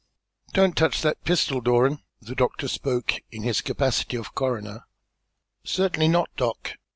"Don't touch that pistol, Doran," the doctor spoke, in his capacity of coroner. "Certainly not, Doc.